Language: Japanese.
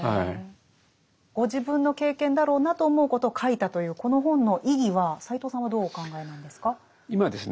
ご自分の経験だろうなと思うことを書いたというこの本の意義は斎藤さんはどうお考えなんですか？